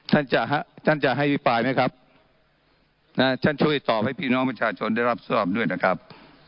ท่านจะท่านจะให้วิปลายไหมครับนะท่านช่วยตอบให้พี่น้องประชาชนได้รับทราบด้วยนะครับ